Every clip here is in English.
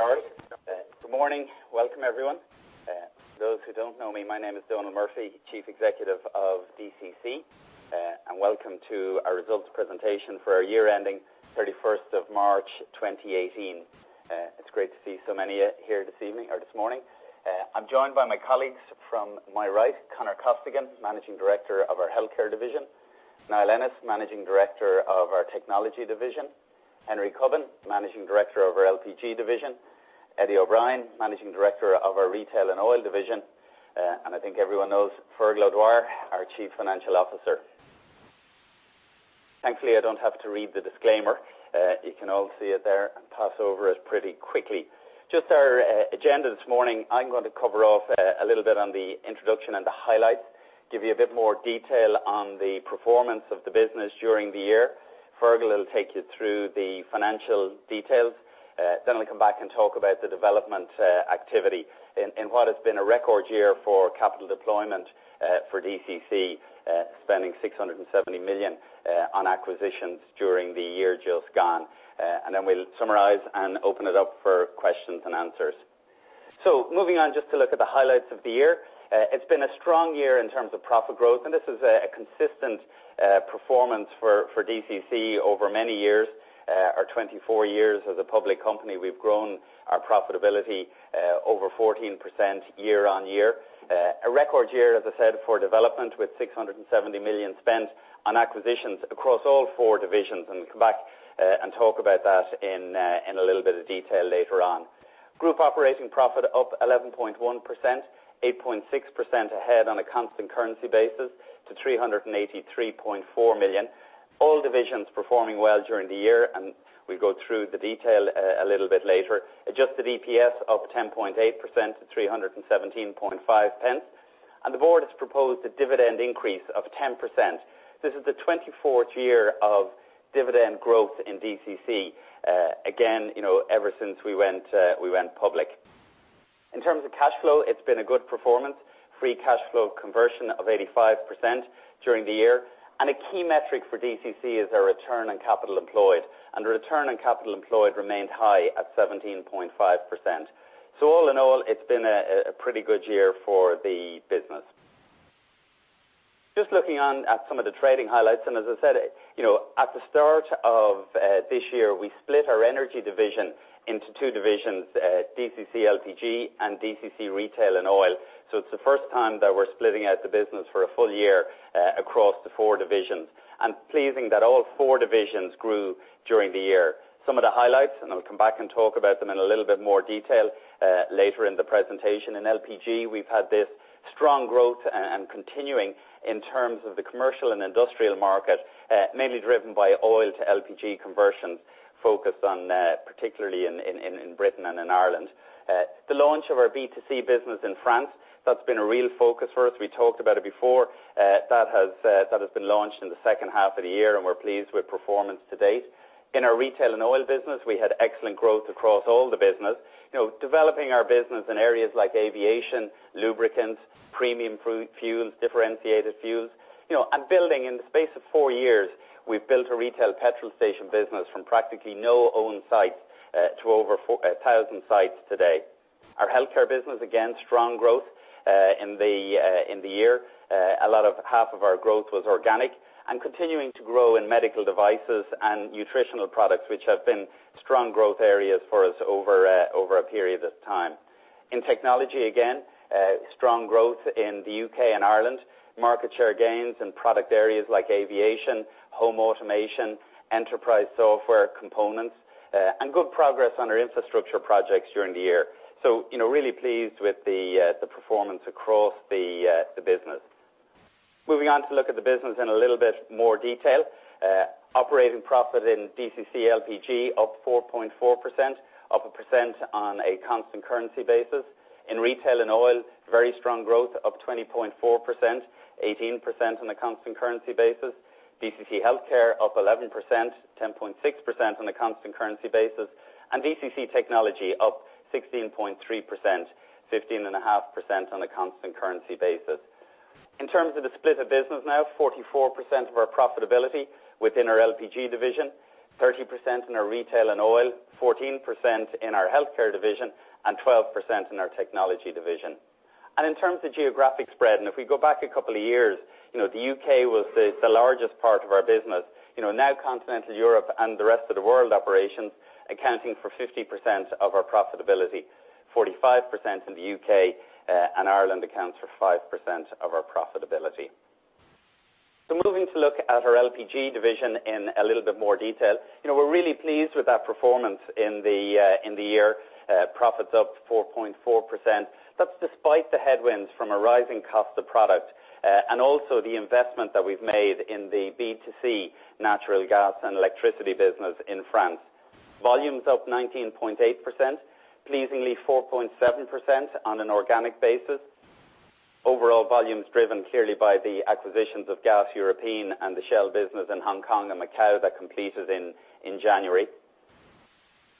Okay, I think we can make a start. Good morning. Welcome, everyone. Those who don't know me, my name is Donal Murphy, Chief Executive of DCC. Welcome to our results presentation for our year ending 31st of March 2018. It's great to see so many here this evening or this morning. I'm joined by my colleagues. From my right, Conor Costigan, Managing Director of our Healthcare division. Niall Ennis, Managing Director of our Technology division. Henry Cubbon, Managing Director of our LPG division. Eddie O'Brien, Managing Director of our Retail and Oil division. I think everyone knows Fergal O'Dwyer, our Chief Financial Officer. Thankfully, I don't have to read the disclaimer. You can all see it there and pass over it pretty quickly. Just our agenda this morning. I'm going to cover off a little bit on the introduction and the highlights, give you a bit more detail on the performance of the business during the year. Fergal will take you through the financial details. We'll come back and talk about the development activity in what has been a record year for capital deployment for DCC, spending 670 million on acquisitions during the year just gone. We'll summarize and open it up for questions and answers. Moving on just to look at the highlights of the year. It's been a strong year in terms of profit growth, and this is a consistent performance for DCC over many years. Our 24 years as a public company, we've grown our profitability over 14% year-on-year. A record year, as I said, for development with 670 million spent on acquisitions across all four divisions. We'll come back and talk about that in a little bit of detail later on. Group operating profit up 11.1%, 8.6% ahead on a constant currency basis to 383.4 million. All divisions performing well during the year, and we'll go through the detail a little bit later. Adjusted EPS up 10.8% to 3.175. The board has proposed a dividend increase of 10%. This is the 24th year of dividend growth in DCC. Again, ever since we went public. In terms of cash flow, it's been a good performance. Free cash flow conversion of 85% during the year. A key metric for DCC is our return on capital employed. Return on capital employed remained high at 17.5%. All in all, it's been a pretty good year for the business. Just looking on at some of the trading highlights, as I said, at the start of this year, we split our Energy division into two divisions, DCC LPG and DCC Retail and Oil. It's the first time that we're splitting out the business for a full year across the four divisions. Pleasing that all four divisions grew during the year. Some of the highlights, I'll come back and talk about them in a little bit more detail later in the presentation. In LPG, we've had this strong growth and continuing in terms of the commercial and industrial market, mainly driven by oil to LPG conversions, focused on particularly in Britain and in Ireland. The launch of our B2C business in France, that's been a real focus for us. We talked about it before. That has been launched in the second half of the year. We're pleased with performance to date. In our Retail & Oil business, we had excellent growth across all the business, developing our business in areas like aviation, lubricants, premium fuels, differentiated fuels. Building in the space of 4 years, we've built a retail petrol station business from practically no owned sites to over 1,000 sites today. Our Healthcare business, again, strong growth in the year. Half of our growth was organic, continuing to grow in medical devices and nutritional products, which have been strong growth areas for us over a period of time. In Technology, again, strong growth in the U.K. and Ireland. Market share gains in product areas like aviation, home automation, enterprise software components, and good progress on our infrastructure projects during the year. Really pleased with the performance across the business. Moving on to look at the business in a little bit more detail. Operating profit in DCC LPG up 4.4%, up 1% on a constant currency basis. In Retail & Oil, very strong growth, up 20.4%, 18% on a constant currency basis. DCC Healthcare up 11%, 10.6% on a constant currency basis. DCC Technology up 16.3%, 15.5% on a constant currency basis. In terms of the split of business now, 44% of our profitability within our LPG division, 30% in our Retail & Oil, 14% in our Healthcare division, and 12% in our Technology division. In terms of geographic spread, if we go back a couple of years, the U.K. was the largest part of our business. Now continental Europe and the rest of the world operations accounting for 50% of our profitability, 45% in the U.K., Ireland accounts for 5% of our profitability. Moving to look at our LPG division in a little bit more detail. We're really pleased with that performance in the year. Profits up 4.4%. That's despite the headwinds from a rising cost of product, and also the investment that we've made in the B2C natural gas and electricity business in France. Volumes up 19.8%, pleasingly 4.7% on an organic basis. Overall volumes driven clearly by the acquisitions of Gaz Européen and the Shell business in Hong Kong and Macau that completed in January.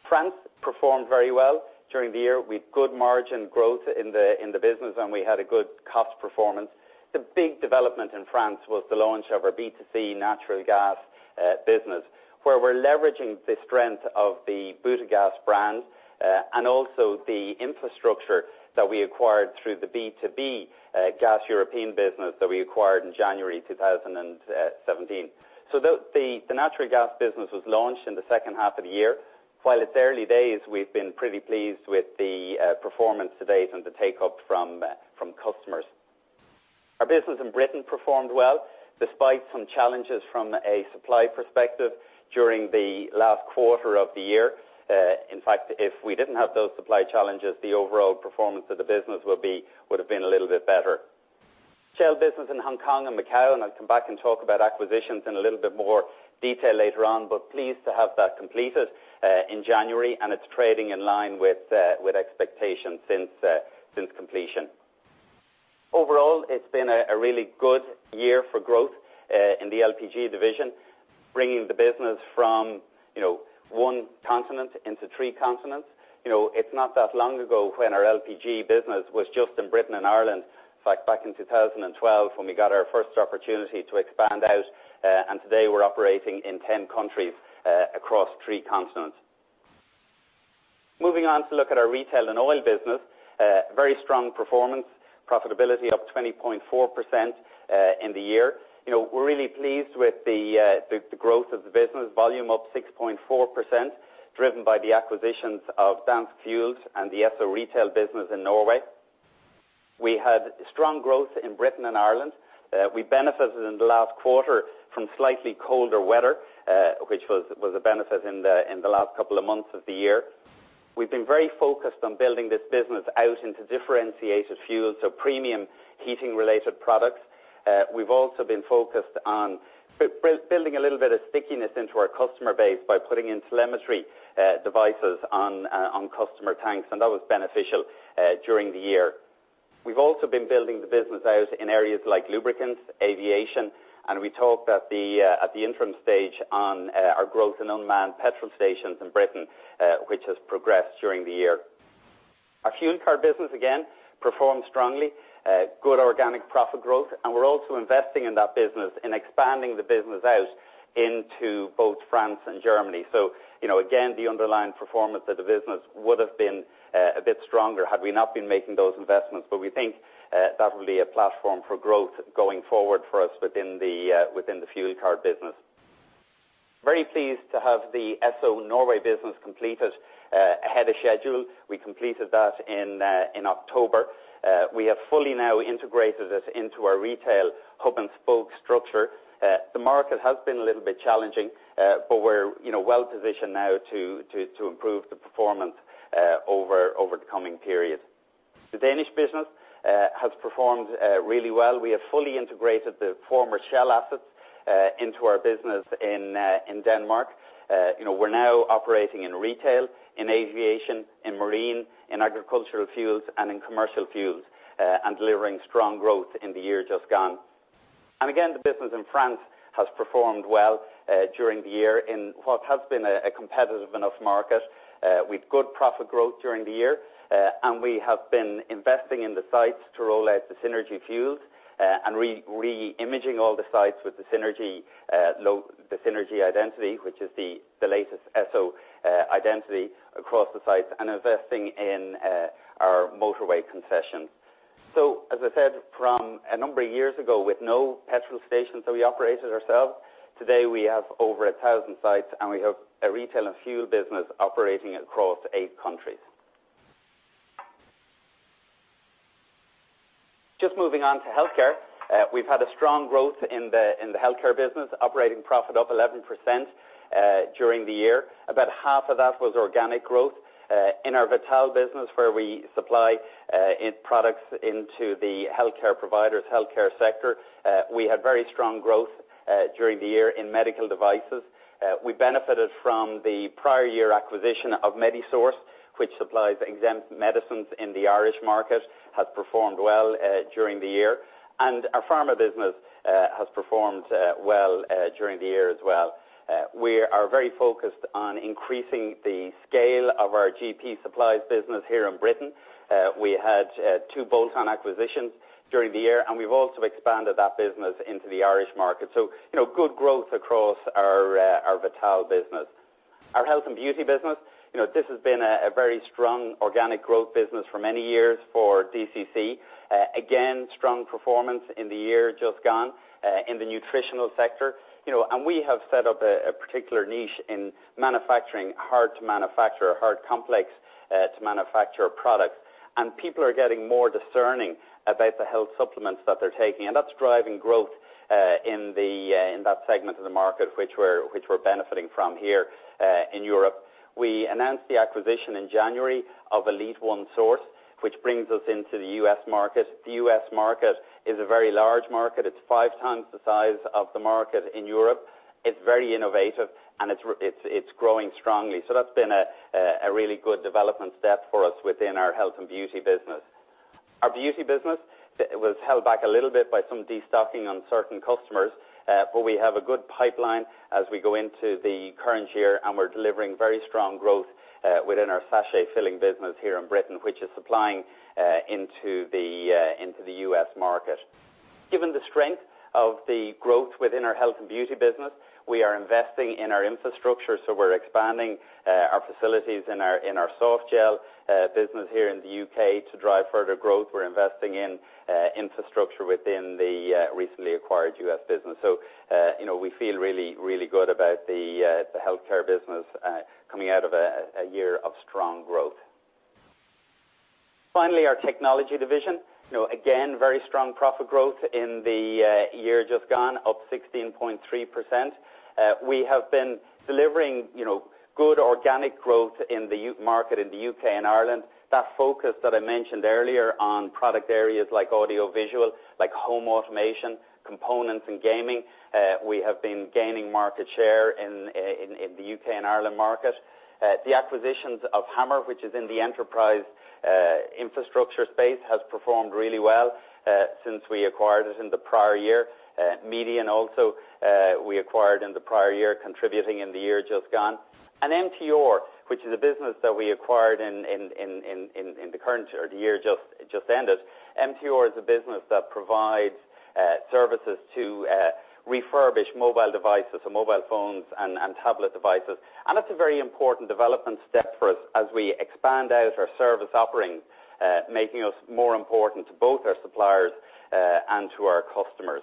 France performed very well during the year. We had good margin growth in the business. We had a good cost performance. The big development in France was the launch of our B2C natural gas business, where we're leveraging the strength of the Butagaz brand, and also the infrastructure that we acquired through the B2B Gaz Européen business that we acquired in January 2017. The natural gas business was launched in the second half of the year. While it's early days, we've been pretty pleased with the performance to date and the take-up from customers. Our business in Britain performed well despite some challenges from a supply perspective during the last quarter of the year. In fact, if we didn't have those supply challenges, the overall performance of the business would have been a little bit better. Shell business in Hong Kong and Macau, and I'll come back and talk about acquisitions in a little bit more detail later on, but pleased to have that completed in January, and it's trading in line with expectations since completion. Overall, it's been a really good year for growth in the LPG division, bringing the business from one continent into three continents. It's not that long ago when our LPG business was just in Britain and Ireland, back in 2012, when we got our first opportunity to expand out. Today we're operating in 10 countries across three continents. Moving on to look at our Retail & Oil business. Very strong performance. Profitability up 20.4% in the year. We're really pleased with the growth of the business. Volume up 6.4%, driven by the acquisitions of Dansk Fuel and the Esso retail business in Norway. We had strong growth in Britain and Ireland. We benefited in the last quarter from slightly colder weather, which was a benefit in the last couple of months of the year. We've been very focused on building this business out into differentiated fuels, so premium heating-related products. We've also been focused on building a little bit of stickiness into our customer base by putting in telemetry devices on customer tanks. That was beneficial during the year. We've also been building the business out in areas like lubricants, aviation. We talked at the interim stage on our growth in unmanned petrol stations in Britain, which has progressed during the year. Our fuel card business, again, performed strongly. Good organic profit growth. We're also investing in that business and expanding the business out into both France and Germany. Again, the underlying performance of the business would have been a bit stronger had we not been making those investments. We think that will be a platform for growth going forward for us within the fuel card business. Very pleased to have the Esso Norway business completed ahead of schedule. We completed that in October. We have fully now integrated it into our retail hub and spoke structure. The market has been a little bit challenging, but we're well positioned now to improve the performance over the coming period. The Danish business has performed really well. We have fully integrated the former Shell assets into our business in Denmark. We're now operating in retail, in aviation, in marine, in agricultural fuels, and in commercial fuels, and delivering strong growth in the year just gone. Again, the business in France has performed well during the year in what has been a competitive enough market, with good profit growth during the year. We have been investing in the sites to roll out the Synergy fuels and re-imaging all the sites with the Synergy identity, which is the latest Esso identity across the sites and investing in our motorway concession. As I said, from a number of years ago, with no petrol stations that we operated ourselves, today we have over 1,000 sites and we have a retail and fuel business operating across eight countries. Just moving on to Healthcare. We've had a strong growth in the Healthcare business. Operating profit up 11% during the year. About half of that was organic growth. In our Vital business, where we supply products into the healthcare providers, healthcare sector, we had very strong growth during the year in medical devices. We benefited from the prior year acquisition of Medisource, which supplies exempt medicines in the Irish market. Has performed well during the year. Our pharma business has performed well during the year as well. We are very focused on increasing the scale of our GP supplies business here in Britain. We had two bolt-on acquisitions during the year, we've also expanded that business into the Irish market. Good growth across our Vital business. Our health and beauty business. This has been a very strong organic growth business for many years for DCC. Again, strong performance in the year just gone in the nutritional sector. We have set up a particular niche in manufacturing hard to manufacture, hard, complex to manufacture products. People are getting more discerning about the health supplements that they're taking, and that's driving growth in that segment of the market, which we're benefiting from here in Europe. We announced the acquisition in January of Elite One Source, which brings us into the U.S. market. The U.S. market is a very large market. It's five times the size of the market in Europe. It's very innovative, and it's growing strongly. That's been a really good development step for us within our health and beauty business. Our beauty business was held back a little bit by some de-stocking on certain customers, we have a good pipeline as we go into the current year, and we're delivering very strong growth within our sachet filling business here in Britain, which is supplying into the U.S. market. Given the strength of the growth within our health and beauty business, we are investing in our infrastructure. We're expanding our facilities in our softgel business here in the U.K. to drive further growth. We're investing in infrastructure within the recently acquired U.S. business. We feel really good about the healthcare business coming out of a year of strong growth. Finally, our technology division. Again, very strong profit growth in the year just gone, up 16.3%. We have been delivering good organic growth in the market in the U.K. and Ireland. That focus that I mentioned earlier on product areas like audiovisual, like home automation, components and gaming, we have been gaining market share in the U.K. and Ireland market. The acquisitions of Hammer, which is in the enterprise infrastructure space, has performed really well since we acquired it in the prior year. Median also, we acquired in the prior year, contributing in the year just gone. MTR, which is a business that we acquired in the current year just ended. MTR is a business that provides services to refurbish mobile devices, so mobile phones and tablet devices. That's a very important development step for us as we expand out our service offering, making us more important to both our suppliers and to our customers.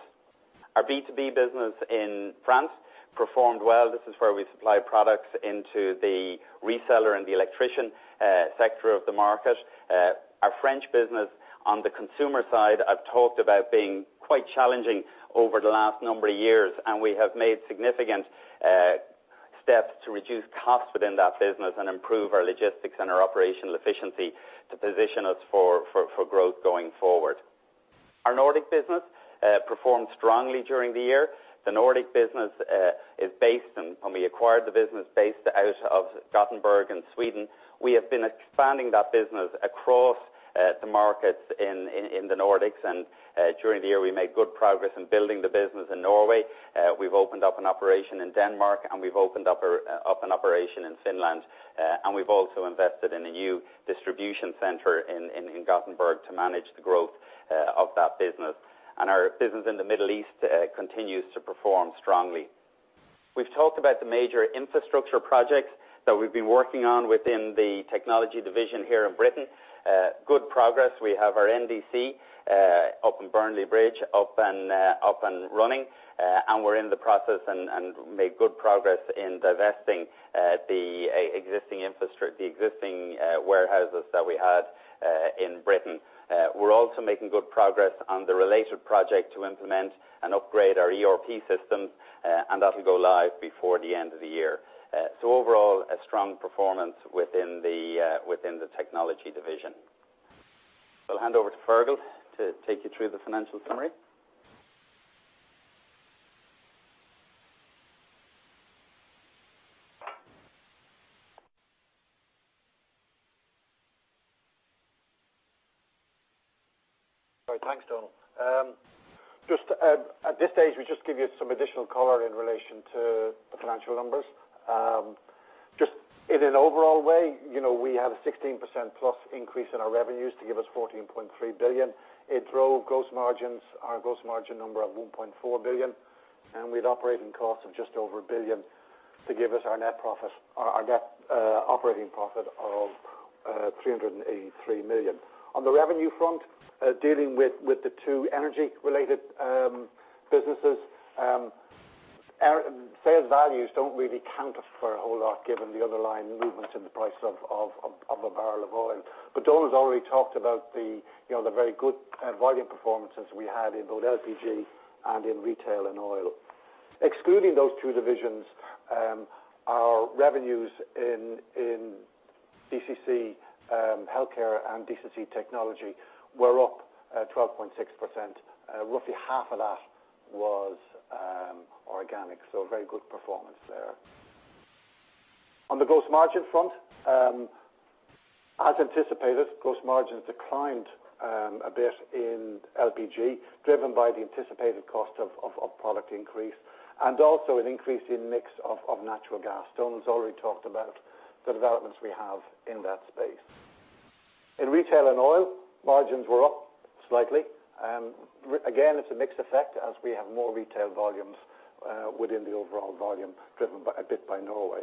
Our B2B business in France performed well. This is where we supply products into the reseller and the electrician sector of the market. Our French business, on the consumer side, I've talked about being quite challenging over the last number of years, we have made significant steps to reduce costs within that business and improve our logistics and our operational efficiency to position us for growth going forward. Our Nordic business performed strongly during the year. The Nordic business is based, and when we acquired the business based out of Gothenburg in Sweden, we have been expanding that business across the markets in the Nordics. During the year, we made good progress in building the business in Norway. We've opened up an operation in Denmark, we've opened up an operation in Finland. We've also invested in a new distribution center in Gothenburg to manage the growth of that business. Our business in the Middle East continues to perform strongly. We've talked about the major infrastructure projects that we've been working on within the Technology division here in Britain. Good progress. We have our NDC up in Burnley Bridge up and running. We're in the process and made good progress in divesting the existing warehouses that we had in Britain. We're also making good progress on the related project to implement and upgrade our ERP systems, that'll go live before the end of the year. Overall, a strong performance within the Technology division. I'll hand over to Fergal to take you through the financial summary. All right. Thanks, Donal. At this stage, we'll just give you some additional color in relation to the financial numbers. Just in an overall way, we had a 16%-plus increase in our revenues to give us 14.3 billion. It drove gross margins, our gross margin number of 1.4 billion, and with operating costs of just over 1 billion to give us our net operating profit of 383 million. On the revenue front, dealing with the two energy-related businesses, sales values don't really count for a whole lot given the underlying movements in the price of a barrel of oil. Donal's already talked about the very good volume performances we had in both LPG and in Retail & Oil. Excluding those two divisions, our revenues in DCC Healthcare and DCC Technology were up 12.6%. Roughly half of that was organic, so a very good performance there. On the gross margin front, as anticipated, gross margins declined a bit in LPG, driven by the anticipated cost of product increase, and also an increase in mix of natural gas. Donal's already talked about the developments we have in that space. In Retail & Oil, margins were up slightly. Again, it's a mixed effect as we have more retail volumes within the overall volume driven a bit by Norway.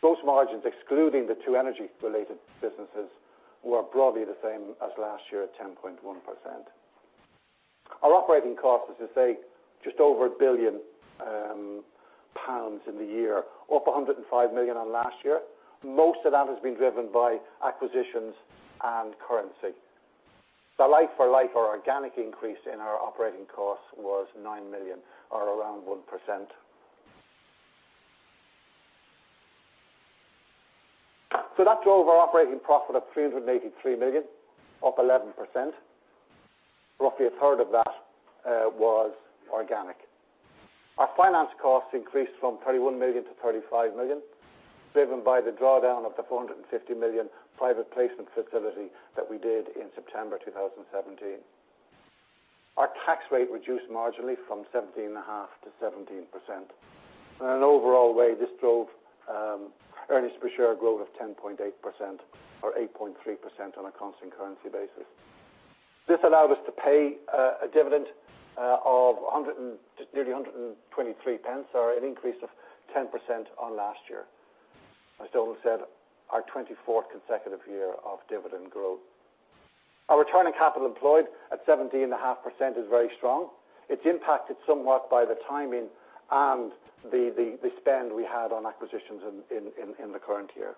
Gross margins, excluding the two energy-related businesses, were broadly the same as last year at 10.1%. Our operating cost is to say just over 1 billion pounds in the year, up 105 million on last year. Most of that has been driven by acquisitions and currency. Like for like, our organic increase in our operating costs was 9 million or around 1%. That drove our operating profit of 383 million, up 11%. Roughly a third of that was organic. Our finance costs increased from 31 million to 35 million, driven by the drawdown of the 450 million private placement facility that we did in September 2017. Our tax rate reduced marginally from 17.5% to 17%. In an overall way, this drove earnings per share growth of 10.8%, or 8.3% on a constant currency basis. This allowed us to pay a dividend of nearly 1.23, or an increase of 10% on last year. As Donal said, our 24th consecutive year of dividend growth. Our return on capital employed at 17.5% is very strong. It's impacted somewhat by the timing and the spend we had on acquisitions in the current year.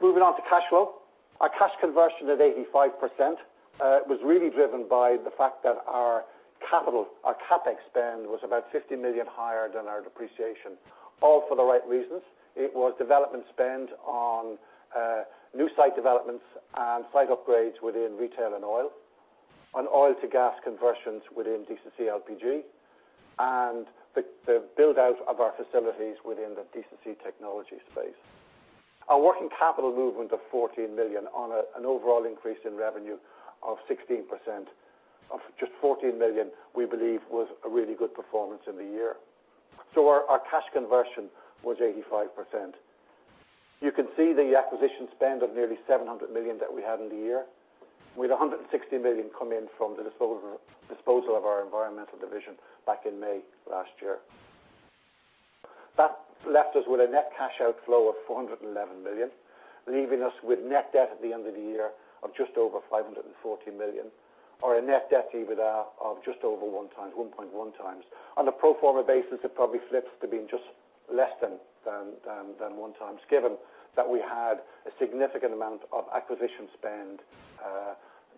Moving on to cash flow. Our cash conversion of 85% was really driven by the fact that our CapEx spend was about 50 million higher than our depreciation, all for the right reasons. It was development spend on new site developments and site upgrades within Retail and Oil, on oil to gas conversions within DCC LPG, and the build-out of our facilities within the DCC Technology space. Our working capital movement of 14 million on an overall increase in revenue of 16%, of just 14 million, we believe, was a really good performance in the year. Our cash conversion was 85%. You can see the acquisition spend of nearly 700 million that we had in the year, with 160 million coming from the disposal of our environmental division back in May last year. That left us with a net cash outflow of 411 million, leaving us with net debt at the end of the year of just over 540 million, or a net debt EBITDA of just over 1.1 times. On a pro forma basis, it probably flips to being just less than one times, given that we had a significant amount of acquisition spend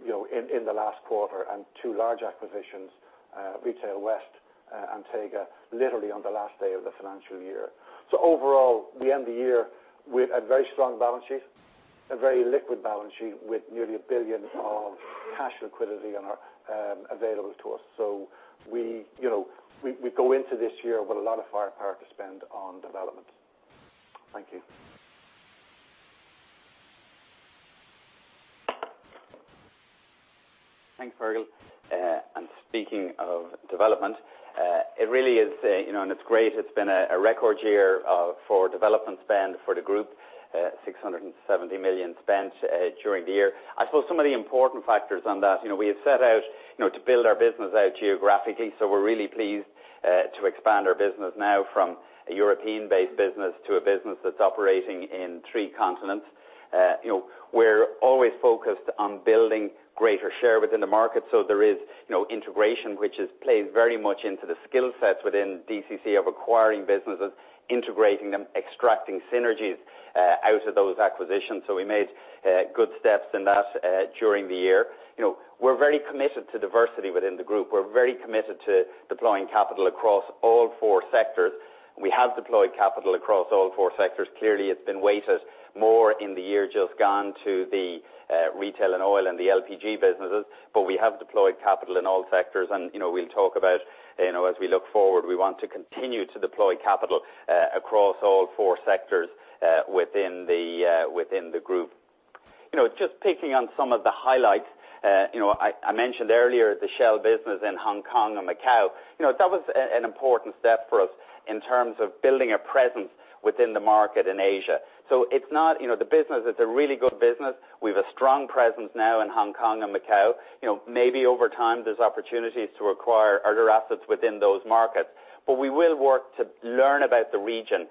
in the last quarter and two large acquisitions, Retail West and TEGA, literally on the last day of the financial year. Overall, we end the year with a very strong balance sheet, a very liquid balance sheet, with nearly 1 billion of cash liquidity available to us. We go into this year with a lot of firepower to spend on development. Thank you. Thanks, Fergal. Speaking of development, it's been a record year for development spend for the group, 670 million spent during the year. I suppose some of the important factors on that, we have set out to build our business out geographically. We're really pleased to expand our business now from a European-based business to a business that's operating in three continents. We're always focused on building greater share within the market. There is integration which plays very much into the skill sets within DCC of acquiring businesses, integrating them, extracting synergies out of those acquisitions. We made good steps in that during the year. We're very committed to diversity within the group. We're very committed to deploying capital across all four sectors. We have deployed capital across all four sectors. Clearly, it's been weighted more in the year just gone to the Retail and Oil and the LPG businesses, but we have deployed capital in all sectors, and we'll talk about, as we look forward, we want to continue to deploy capital across all four sectors within the group. Just picking on some of the highlights. I mentioned earlier the Shell business in Hong Kong and Macau. That was an important step for us in terms of building a presence within the market in Asia. The business is a really good business. We've a strong presence now in Hong Kong and Macau. Maybe over time, there's opportunities to acquire other assets within those markets, but we will work to learn about the region,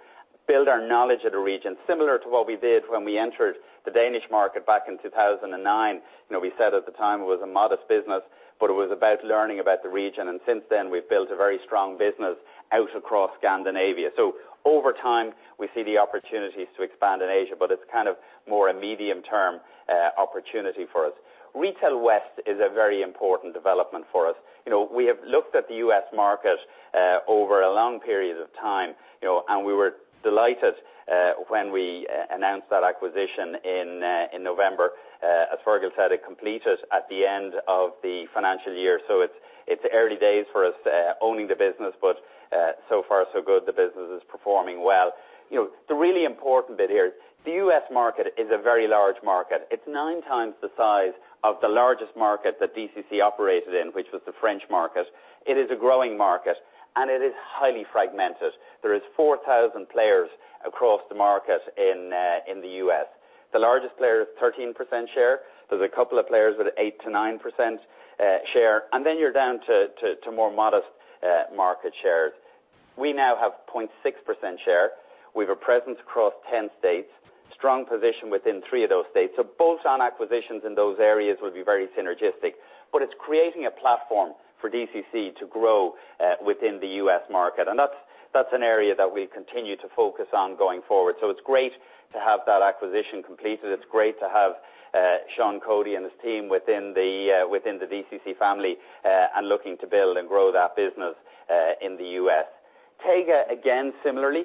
build our knowledge of the region, similar to what we did when we entered the Danish market back in 2009. We said at the time it was a modest business, but it was about learning about the region, and since then, we've built a very strong business out across Scandinavia. Over time, we see the opportunities to expand in Asia, but it's kind of more a medium-term opportunity for us. Retail West is a very important development for us. We have looked at the U.S. market over a long period of time, and we were delighted when we announced that acquisition in November. As Fergal said, it completed at the end of the financial year. It's early days for us owning the business, but so far so good. The business is performing well. The really important bit here, the U.S. market is a very large market. It's nine times the size of the largest market that DCC operated in, which was the French market. It is a growing market, and it is highly fragmented. There is 4,000 players across the market in the U.S. The largest player is 13% share. There's a couple of players with 8%-9% share, and then you're down to more modest market shares. We now have 0.6% share. We've a presence across 10 states, strong position within three of those states. Bolt-on acquisitions in those areas would be very synergistic. It's creating a platform for DCC to grow within the U.S. market, and that's an area that we continue to focus on going forward. It's great to have that acquisition completed. It's great to have Sean Cody and his team within the DCC family and looking to build and grow that business in the U.S. TEGA, again, similarly,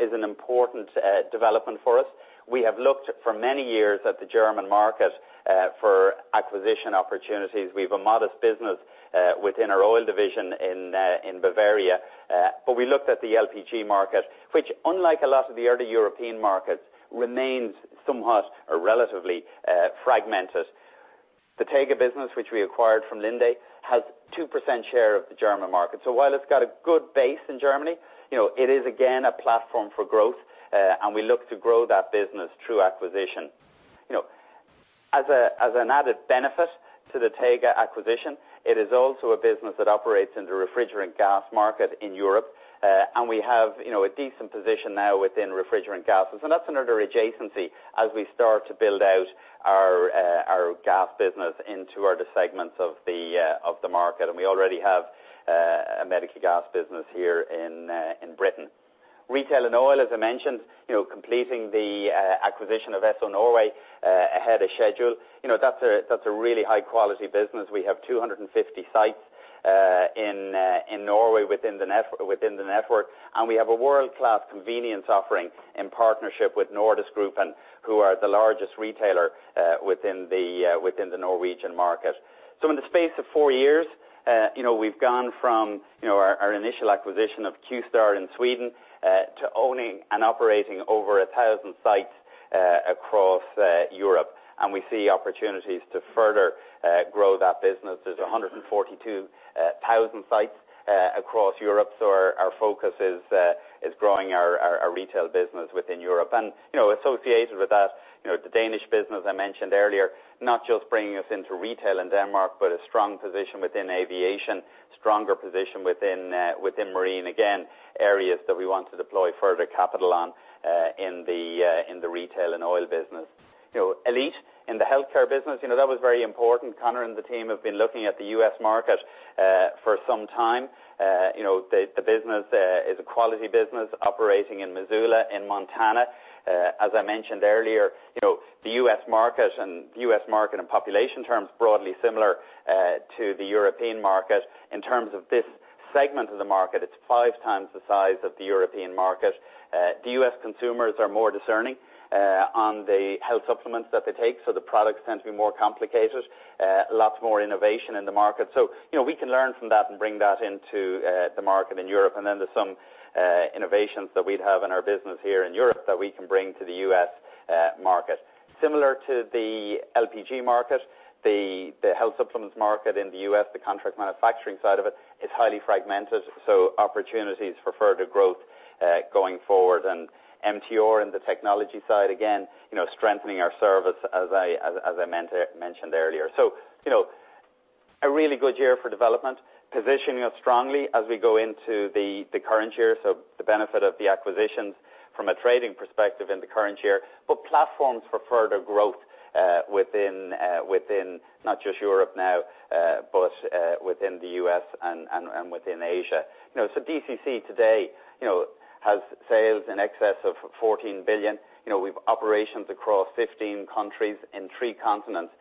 is an important development for us. We have looked for many years at the German market for acquisition opportunities. We've a modest business within our oil division in Bavaria. We looked at the LPG market, which unlike a lot of the other European markets, remains somewhat or relatively fragmented. The TEGA business, which we acquired from Linde, has 2% share of the German market. While it's got a good base in Germany, it is, again, a platform for growth, and we look to grow that business through acquisition. As an added benefit to the TEGA acquisition, it is also a business that operates in the refrigerant gas market in Europe, and we have a decent position now within refrigerant gases, and that's another adjacency as we start to build out our gas business into other segments of the market. We already have a medical gas business here in Britain. Retail and Oil, as I mentioned, completing the acquisition of Esso Norway ahead of schedule. That's a really high-quality business. We have 250 sites in Norway within the network, and we have a world-class convenience offering in partnership with NorgesGruppen, who are the largest retailer within the Norwegian market. In the space of four years, we've gone from our initial acquisition of Qstar in Sweden to owning and operating over 1,000 sites across Europe, and we see opportunities to further grow that business. There's 142,000 sites across Europe. Our focus is growing our retail business within Europe. Associated with that, the Danish business I mentioned earlier, not just bringing us into retail in Denmark, but a strong position within aviation, stronger position within marine. Again, areas that we want to deploy further capital on in the Retail and Oil business. Elite in the healthcare business, that was very important. Conor and the team have been looking at the U.S. market for some time. The business is a quality business operating in Missoula, in Montana. As I mentioned earlier, the U.S. market in population terms, broadly similar to the European market. In terms of this segment of the market, it's five times the size of the European market. The U.S. consumers are more discerning on the health supplements that they take, so the products tend to be more complicated. Lots more innovation in the market. We can learn from that and bring that into the market in Europe, and then there's some innovations that we'd have in our business here in Europe that we can bring to the U.S. market. Similar to the LPG market, the health supplements market in the U.S., the contract manufacturing side of it, is highly fragmented, opportunities for further growth going forward. MTR in the technology side, again, strengthening our service as I mentioned earlier. A really good year for development, positioning us strongly as we go into the current year. The benefit of the acquisitions from a trading perspective in the current year, but platforms for further growth within not just Europe now, but within the U.S. and within Asia. DCC today has sales in excess of 14 billion. We've operations across 15 countries in three continents.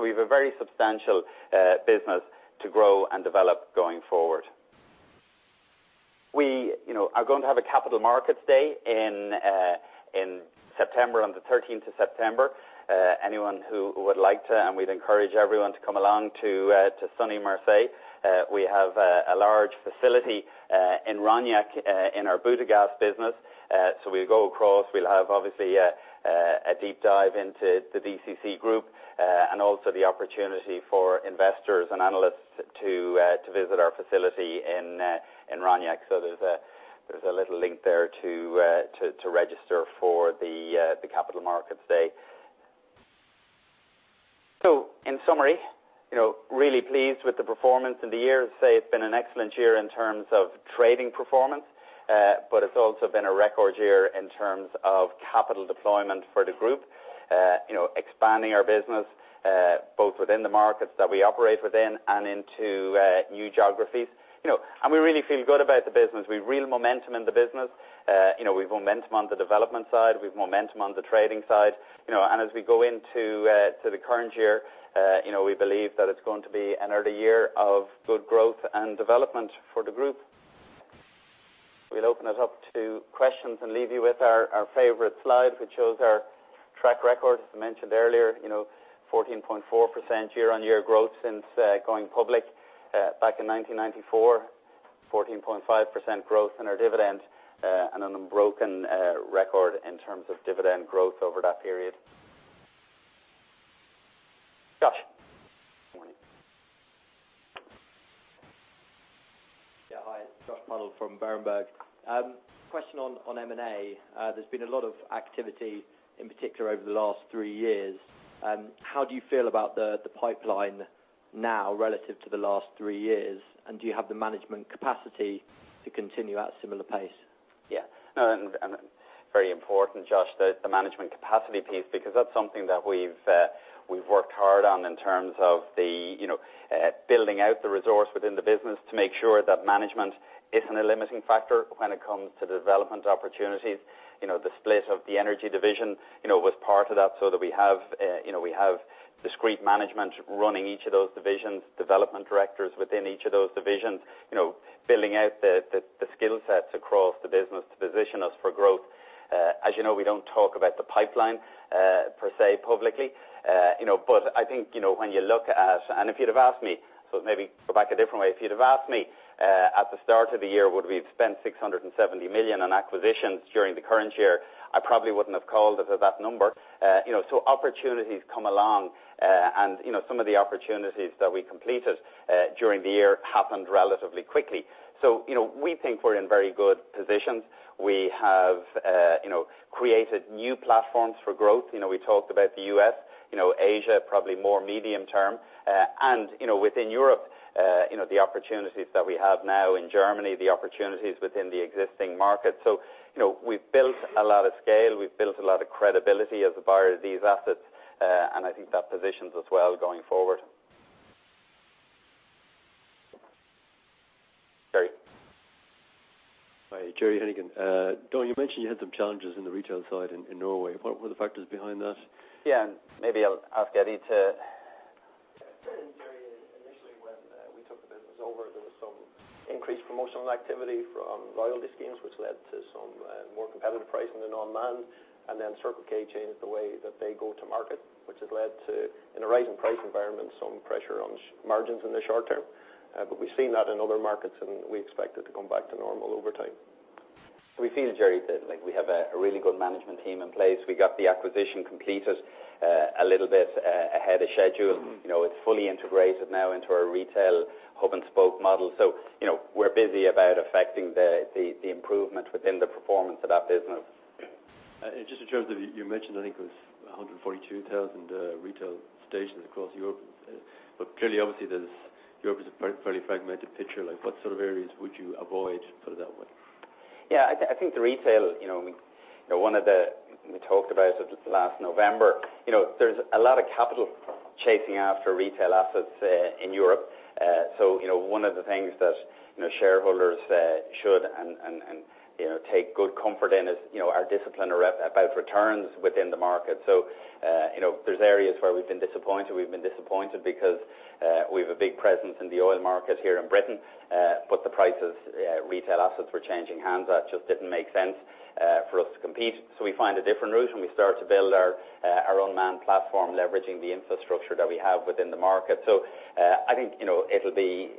We've a very substantial business to grow and develop going forward. We are going to have a capital markets day on the 13th of September. Anyone who would like to, and we'd encourage everyone to come along to sunny Marseille. We have a large facility in Rognac in our Butagaz business. We'll go across, we'll have obviously a deep dive into the DCC group, and also the opportunity for investors and analysts to visit our facility in Rognac. There's a little link there to register for the capital markets day. In summary, really pleased with the performance in the year. As I say, it's been an excellent year in terms of trading performance, but it's also been a record year in terms of capital deployment for the group. Expanding our business both within the markets that we operate within and into new geographies. We really feel good about the business. We've real momentum in the business. We've momentum on the development side. We've momentum on the trading side. As we go into the current year, we believe that it's going to be another year of good growth and development for the group. We'll open it up to questions and leave you with our favorite slide, which shows our track record. As I mentioned earlier, 14.4% year-on-year growth since going public back in 1994, 14.5% growth in our dividend, and an unbroken record in terms of dividend growth over that period. Josh? Morning. Yeah. Hi, Josh Punnell from Berenberg. Question on M&A. There's been a lot of activity, in particular over the last three years. How do you feel about the pipeline now relative to the last three years, and do you have the management capacity to continue at a similar pace? Yeah. No, very important, Josh, the management capacity piece because that's something that we've worked hard on in terms of the building out the resource within the business to make sure that management isn't a limiting factor when it comes to development opportunities. The split of the energy division was part of that so that we have discreet management running each of those divisions, development directors within each of those divisions. Building out the skill sets across the business to position us for growth. As you know, we don't talk about the pipeline per se publicly. I think when you look at, if you'd have asked me, so maybe go back a different way. If you'd have asked me at the start of the year, would we have spent 670 million on acquisitions during the current year, I probably wouldn't have called it at that number. Opportunities come along, some of the opportunities that we completed during the year happened relatively quickly. We think we're in very good positions. We have created new platforms for growth. We talked about the U.S., Asia, probably more medium-term. Within Europe, the opportunities that we have now in Germany, the opportunities within the existing market. We've built a lot of scale, we've built a lot of credibility as a buyer of these assets. I think that positions us well going forward. Gerry. Hi. Gerry Hennigan. Don, you mentioned you had some challenges in the retail side in Norway. What were the factors behind that? Yeah, maybe I'll ask Eddie to Yeah. Gerry, initially when we took the business over, there was some increased promotional activity from loyalty schemes, which led to some more competitive pricing in unmanned. Then Circle K changed the way that they go to market, which has led to, in a rising price environment, some pressure on margins in the short term. We've seen that in other markets, and we expect it to come back to normal over time. We feel, Gerry, that we have a really good management team in place. We got the acquisition completed a little bit ahead of schedule. It's fully integrated now into our retail hub and spoke model. We're busy about affecting the improvement within the performance of that business. Just in terms of, you mentioned, I think it was 142,000 retail stations across Europe. Clearly, obviously, Europe is a very fragmented picture. What sort of areas would you avoid, put it that way? Yeah. I think the retail, we talked about it last November. There's a lot of capital chasing after retail assets in Europe. One of the things that shareholders should take good comfort in is our discipline about returns within the market. There's areas where we've been disappointed. We've been disappointed because we've a big presence in the oil market here in Britain. The prices retail assets were changing hands, that just didn't make sense for us to compete. We find a different route, and we start to build our unmanned platform, leveraging the infrastructure that we have within the market. I think it'll be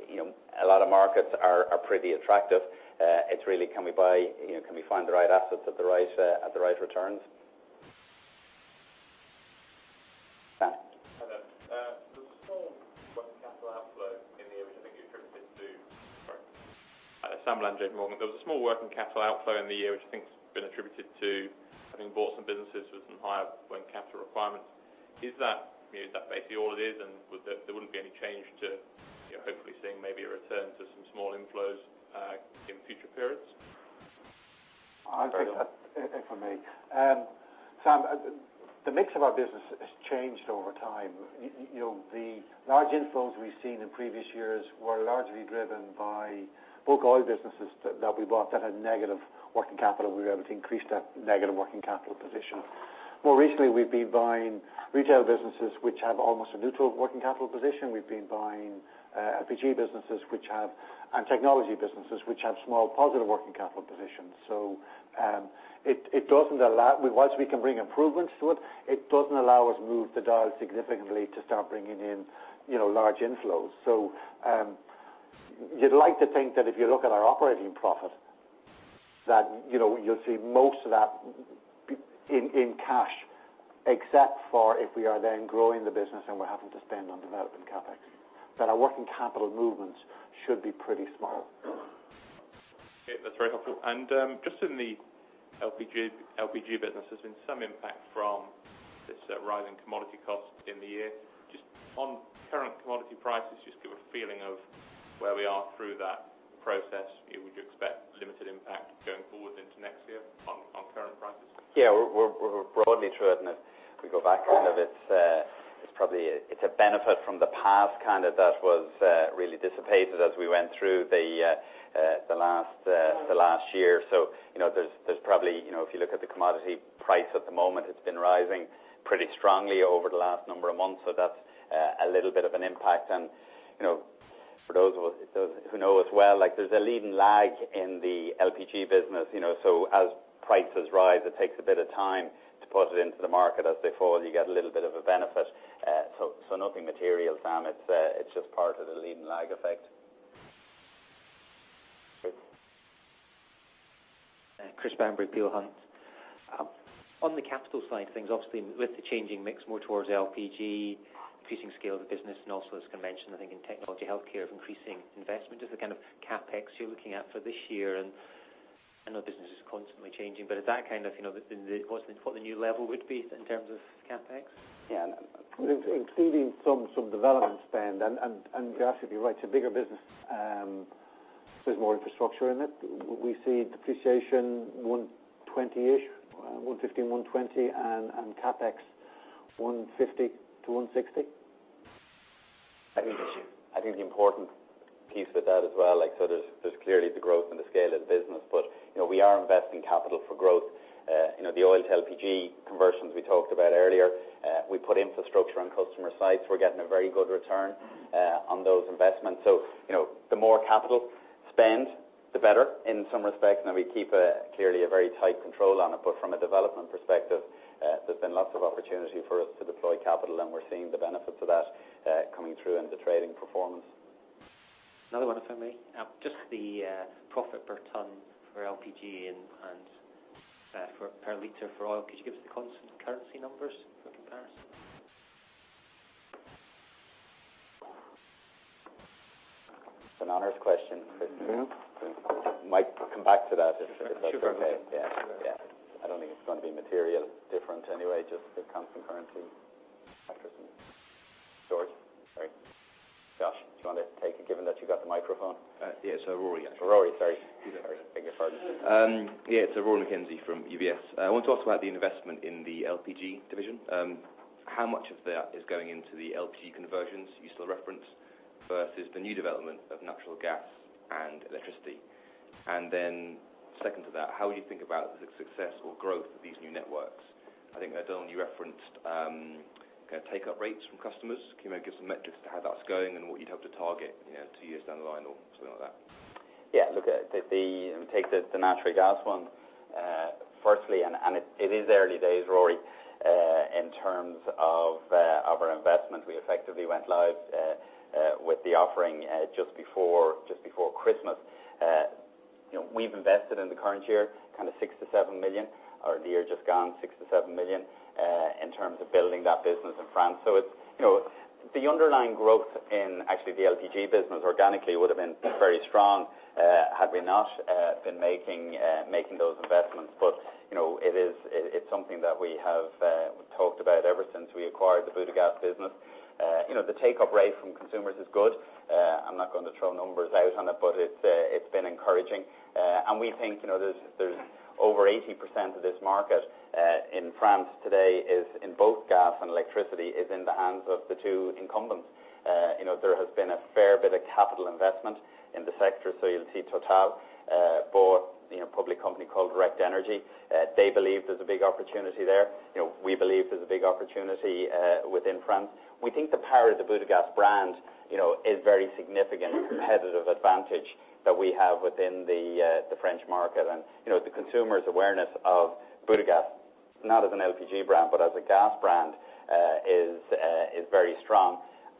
a lot of markets are pretty attractive. It's really, can we find the right assets at the right returns? Sam. Hi there. Sam Land, J.P. Morgan. There was a small working capital outflow in the year, which I think has been attributed to having bought some businesses with some higher working capital requirements. Is that basically all it is, and there wouldn't be any change to hopefully seeing maybe a return to some small inflows in future periods? If I may. Sam, the mix of our business has changed over time. The large inflows we've seen in previous years were largely driven by bulk oil businesses that we bought that had negative working capital, and we were able to increase that negative working capital position. More recently, we've been buying retail businesses which have almost a neutral working capital position. We've been buying LPG businesses and technology businesses which have small positive working capital positions. Whilst we can bring improvements to it doesn't allow us move the dial significantly to start bringing in large inflows. You'd like to think that if you look at our operating profit, that you'll see most of that in cash, except for if we are then growing the business and we're having to spend on development CapEx. Our working capital movements should be pretty small. Okay. That's very helpful. Just in the LPG business, there's been some impact from this rising commodity cost in the year. Just on current commodity prices, just give a feeling of where we are through that process. Would you expect limited impact going forward into next year on current prices? Yeah. We're broadly through it. If we go back, it's a benefit from the past that was really dissipated as we went through the last year. There's probably, if you look at the commodity price at the moment, it's been rising pretty strongly over the last number of months. That's a little bit of an impact. For those who know us well, there's a lead and lag in the LPG business. As prices rise, it takes a bit of time to pass it into the market. As they fall, you get a little bit of a benefit. Nothing material, Sam. It's just part of the lead and lag effect. Okay. Chris Banbury, Peel Hunt. On the capital side of things, obviously with the changing mix more towards LPG, increasing scale of the business, and also as convention, I think in technology healthcare of increasing investment is the kind of CapEx you're looking at for this year. I know business is constantly changing, but is that kind of what the new level would be in terms of CapEx? Yeah. Including some development spend. You're absolutely right. It's a bigger business. There's more infrastructure in it. We see depreciation 120-ish, 115, 120, and CapEx 150 to 160. I think the important piece with that as well. There's clearly the growth and the scale of the business. We are investing capital for growth. The oil to LPG conversions we talked about earlier. We put infrastructure on customer sites. We're getting a very good return on those investments. The more capital spend The better in some respects. We keep clearly a very tight control on it. From a development perspective, there's been lots of opportunity for us to deploy capital. We're seeing the benefits of that coming through in the trading performance. Another one, if I may. Just the profit per ton for LPG and per liter for oil. Could you give us the constant currency numbers for comparison? It's an honest question. Mike, we'll come back to that. Sure. If that's okay. Yeah. I don't think it's going to be material different anyway, just the constant currency factors. George? Sorry, Josh, do you want to take it, given that you got the microphone? Yes, Rory actually. Rory. Sorry. I beg your pardon. It's Rory McKenzie from UBS. I want to talk about the investment in the LPG division. How much of that is going into the LPG conversions you still reference, versus the new development of natural gas and electricity? Second to that, how you think about the success or growth of these new networks? I think, Donal, you referenced take-up rates from customers. Can you give some metrics to how that's going and what you'd hope to target two years down the line or something like that? Take the natural gas one. Firstly, it is early days, Rory, in terms of our investment. We effectively went live with the offering just before Christmas. We've invested in the current year kind of 6 million-7 million, or the year just gone, 6 million-7 million, in terms of building that business in France. The underlying growth in actually the LPG business organically would have been very strong, had we not been making those investments. It's something that we have talked about ever since we acquired the Butagaz business. The take-up rate from consumers is good. I'm not going to throw numbers out on it, but it's been encouraging. We think there's over 80% of this market in France today is in both gas and electricity, is in the hands of the two incumbents. There has been a fair bit of capital investment in the sector. You'll see Total bought a public company called Direct Énergie. They believe there's a big opportunity there. We believe there's a big opportunity within France. We think the power of the Butagaz brand is very significant competitive advantage that we have within the French market. The consumer's awareness of Butagaz, not as an LPG brand, but as a gas brand, is very strong.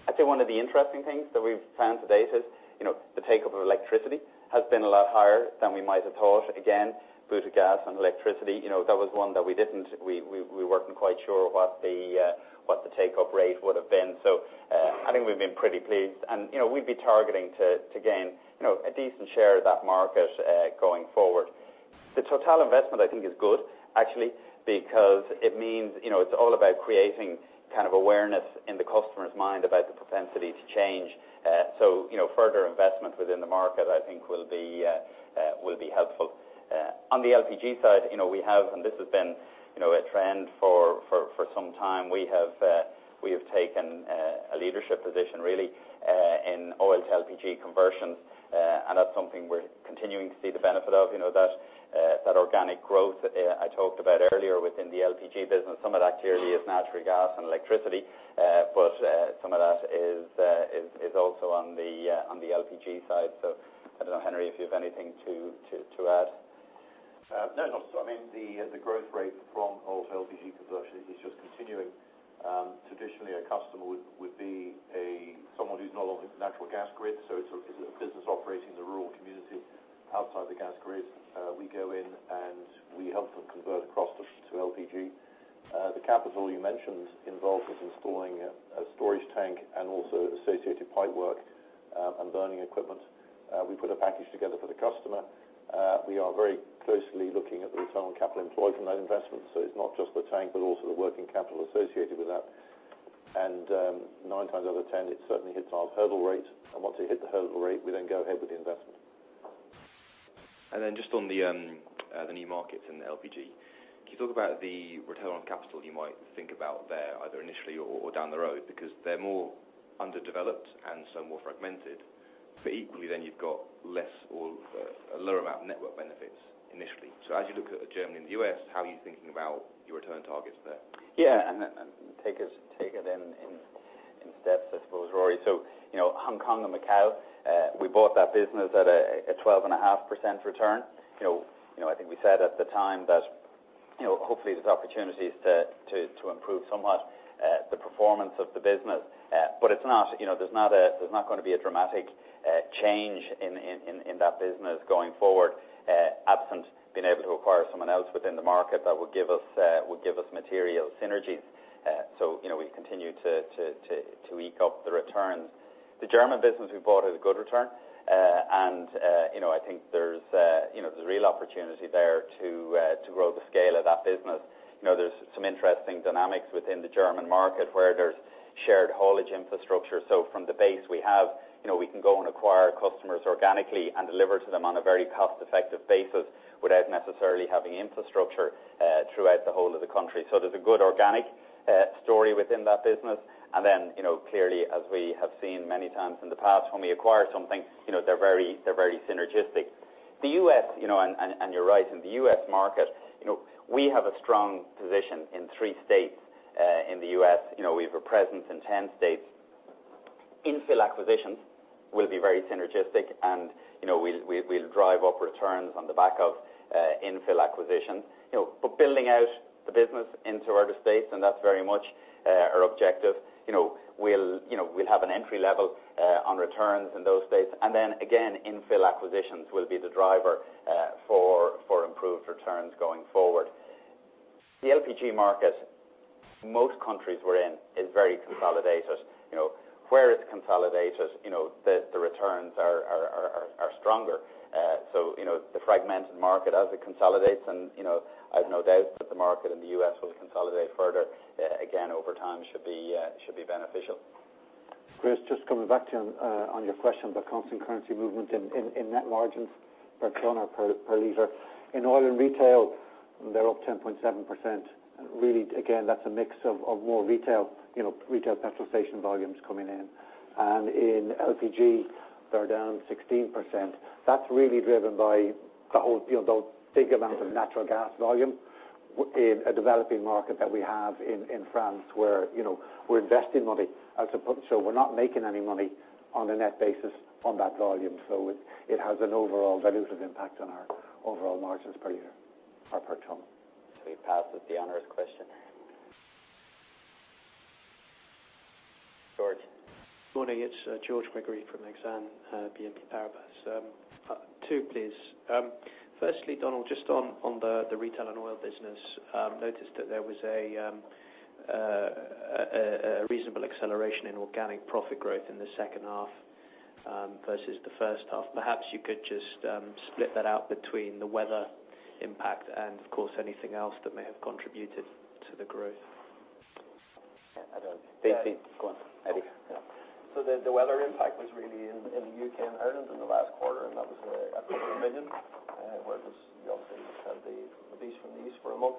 I'd say one of the interesting things that we've found to date is the take-up of electricity has been a lot higher than we might have thought. Again, Butagaz and electricity, that was one that we weren't quite sure what the take-up rate would have been. I think we've been pretty pleased, and we'd be targeting to gain a decent share of that market going forward. The Total investment, I think, is good, actually, because it means it's all about creating kind of awareness in the customer's mind about the propensity to change. Further investment within the market, I think, will be helpful. On the LPG side, we have, and this has been a trend for some time. We have taken a leadership position, really, in oil to LPG conversions. That's something we're continuing to see the benefit of. That organic growth I talked about earlier within the LPG business. Some of that clearly is natural gas and electricity. Some of that is also on the LPG side. I don't know, Henry, if you have anything to add. No, not at all. The growth rate from oil to LPG conversion is just continuing. Traditionally, a customer would be someone who's not on the natural gas grid. It's a business operating in a rural community outside the gas grid. We go in, and we help them convert across to LPG. The capital you mentioned involves us installing a storage tank and also associated pipework and burning equipment. We put a package together for the customer. We are very closely looking at the return on capital employed from those investments. It's not just the tank, but also the working capital associated with that. Nine times out of 10, it certainly hits our hurdle rate. Once it hit the hurdle rate, we then go ahead with the investment. Just on the new markets in the LPG. Can you talk about the return on capital you might think about there, either initially or down the road? Because they're more underdeveloped and some more fragmented. Equally, then you've got less or a lower amount of network benefits initially. As you look at Germany and the U.S., how are you thinking about your return targets there? Yeah. Take it in steps, I suppose, Rory. Hong Kong and Macau, we bought that business at a 12.5% return. I think we said at the time that hopefully there's opportunities to improve somewhat the performance of the business. There's not going to be a dramatic change in that business going forward, absent being able to acquire someone else within the market that would give us material synergies. We continue to eke up the returns. The German business we bought is a good return. I think there's a real opportunity there to grow the scale of that business. There's some interesting dynamics within the German market where there's shared haulage infrastructure. From the base we have, we can go and acquire customers organically and deliver to them on a very cost-effective basis without necessarily having infrastructure throughout the whole of the country. There's a good organic story within that business. Then clearly, as we have seen many times in the past, when we acquire something, they're very synergistic. The U.S., and you're right, in the U.S. market, we have a strong position in three states in the U.S. We have a presence in 10 states. Infill acquisitions will be very synergistic, and we'll drive up returns on the back of infill acquisitions. Building out the business into other states, and that's very much our objective. We'll have an entry level on returns in those states. Then again, infill acquisitions will be the driver for improved returns going forward. The LPG market, most countries we're in is very consolidated. Where it's consolidated, the returns are stronger. The fragmented market as it consolidates, and I've no doubt that the market in the U.S. will consolidate further, again, over time should be beneficial. Chris, just coming back to you on your question about constant currency movement in net margins per ton or per liter. In oil and retail, they're up 10.7%. Really, again, that's a mix of more retail petrol station volumes coming in. In LPG, they're down 16%. That's really driven by the whole big amount of natural gas volume in a developing market that we have in France, where we're investing money. We're not making any money on a net basis on that volume. It has an overall dilutive impact on our overall margins per year or per ton. He passes the honors question. George. Morning, it's George McGree from Exane BNP Paribas. Two, please. Firstly, Donal, just on the retail and oil business. Noticed that there was a reasonable acceleration in organic profit growth in the second half versus the first half. Perhaps you could just split that out between the weather impact and, of course, anything else that may have contributed to the growth. Yeah. Go on, Eddie. The weather impact was really in the U.K. and Ireland in the last quarter, and that was a couple of million GBP, where it was obviously had the Beast from the East for a month.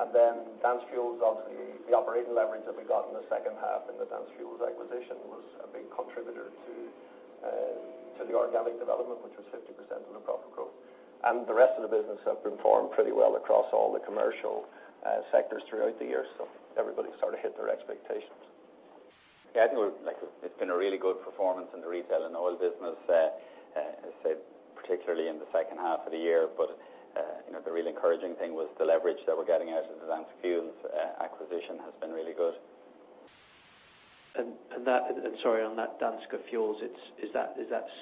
Dansk Fuels, obviously the operating leverage that we got in the second half in the Dansk Fuels acquisition was a big contributor to the organic development, which was 50% of the profit growth. The rest of the business have performed pretty well across all the commercial sectors throughout the year. Everybody sort of hit their expectations. I think it's been a really good performance in the DCC Retail and Oil business, as I said, particularly in the second half of the year. The really encouraging thing was the leverage that we're getting out of the Dansk Fuels acquisition has been really good. Sorry, on that Dansk Fuels, is that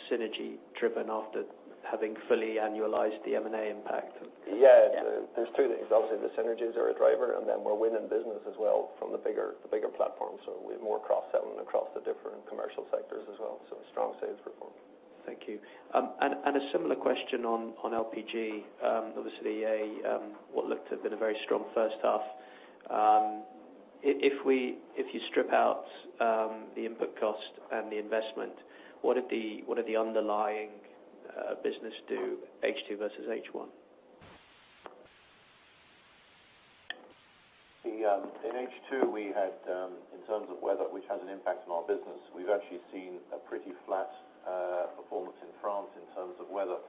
synergy driven after having fully annualized the M&A impact? Yeah. Yeah. There's two things. Obviously, the synergies are a driver, and then we're winning business as well from the bigger platform. We have more cross-selling across the different commercial sectors as well. A strong sales performance. Thank you. A similar question on LPG. Obviously, what looked to have been a very strong first half. If you strip out the input cost and the investment, what did the underlying business do H2 versus H1? In H2, we had, in terms of weather, which has an impact on our business, we've actually seen a pretty flat performance in France in terms of weather.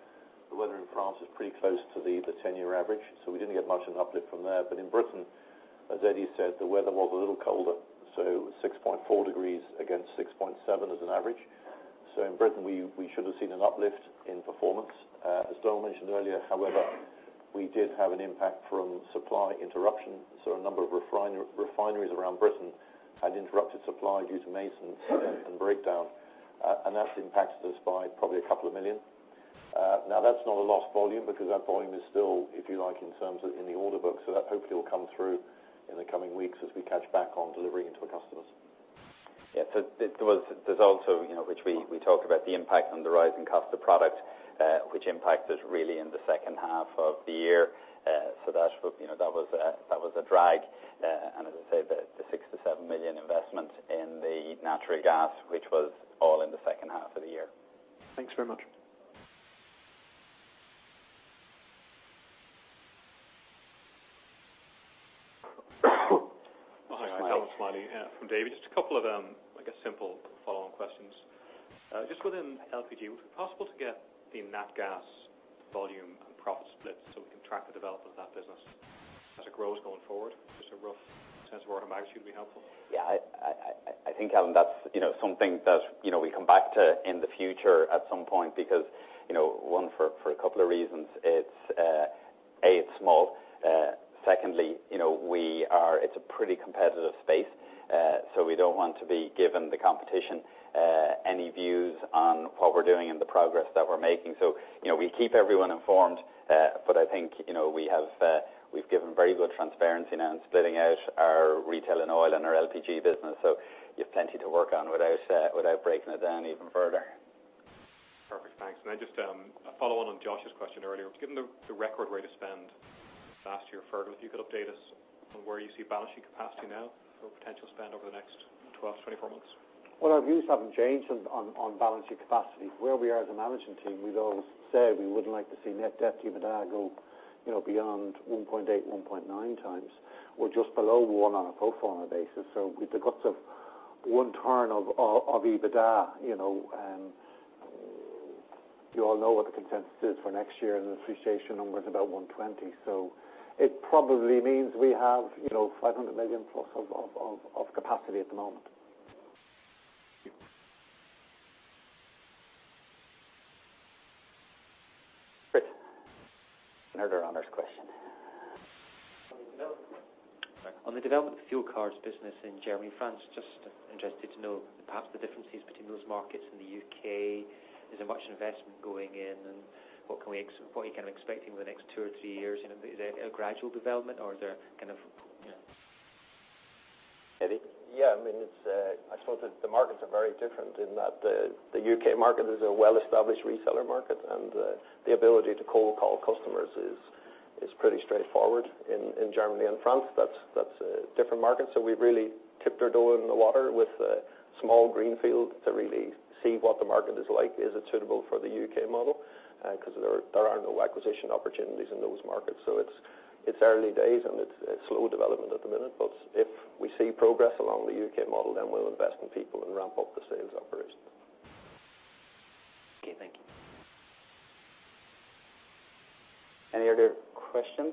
The weather in France was pretty close to the 10-year average, so we didn't get much of an uplift from there. In Britain, as Eddie said, the weather was a little colder, so 6.4 degrees against 6.7 as an average. In Britain, we should have seen an uplift in performance. As Donal mentioned earlier, however, we did have an impact from supply interruption, so a number of refineries around Britain had interrupted supply due to maintenance and breakdown. That's impacted us by probably a couple of million. That's not a lost volume because that volume is still, if you like, in the order book. That hopefully will come through in the coming weeks as we catch back on delivering it to our customers. There's also, which we talk about, the impact on the rising cost of product, which impacted really in the second half of the year. That was a drag. As I said, the 6 million-7 million investment in the natural gas, which was all in the second half of the year. Thanks very much. Smiley. Hi. Calvin Smiley from Davy. Just a couple of simple follow-on questions. Just within LPG, would it be possible to get the nat gas volume and profit split so we can track the development of that business as it grows going forward? Just a rough sense of where it might actually be helpful. I think, Calvin, that's something that we come back to in the future at some point because one, for a couple of reasons. A, it's small. Secondly, it's a pretty competitive space. We don't want to be giving the competition any views on what we're doing and the progress that we're making. We keep everyone informed, but I think we've given very good transparency now in splitting out our Retail and Oil and our LPG business. You have plenty to work on without breaking it down even further. Perfect. Thanks. Just a follow on Josh's question earlier. Given the record rate of spend last year, Fergal, if you could update us on where you see balancing capacity now for potential spend over the next 12 to 24 months. Our views haven't changed on balancing capacity. Where we are as a management team, we've always said we wouldn't like to see net debt to EBITDA go beyond 1.8, 1.9 times. We're just below one on a pro forma basis. With the guts of one turn of EBITDA, you all know what the consensus is for next year, and the association number is about 120. It probably means we have 500 million plus of capacity at the moment. Chris. Another honors question. On the development of the fuel cards business in Germany and France, just interested to know perhaps the differences between those markets and the U.K. Is there much investment going in, and what are you kind of expecting over the next two or three years? Is it a gradual development or are there kind of Eddie? Yeah. I suppose the markets are very different in that the U.K. market is a well-established reseller market, and the ability to cold call customers is pretty straightforward. In Germany and France, that's a different market. We've really tipped our toe in the water with a small greenfield to really see what the market is like. Is it suitable for the U.K. model? Because there are no acquisition opportunities in those markets. It's early days, and it's slow development at the minute. If we see progress along the U.K. model, then we'll invest in people and ramp up the sales operation. Okay. Thank you. Any other questions?